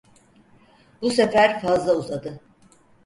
Bu sefer fazla uzadı!